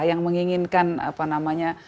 yang menginginkan apa namanya